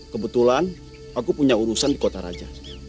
kebetulan aku punya urusan di kota raja